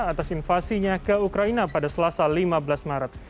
atas invasinya ke ukraina pada selasa lima belas maret